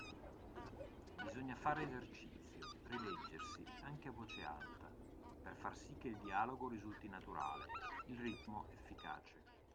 Bisogna fare esercizio, rileggersi, anche a voce alta, per far sì che il dialogo risulti naturale, il ritmo efficace.